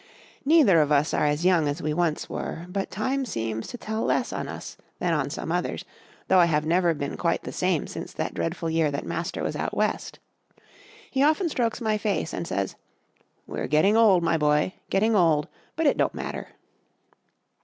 Neither of us are as young as we once were, but time seems to tell less on us than on some others, though I have never been quite the same since that dreadful year that Master was out West. He often strokes my face and says: "We're getting old, my boy, getting old, but it don't matter."